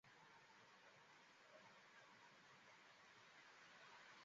Relativa necerteco de "F" preskaŭ egalas al tiu de "G".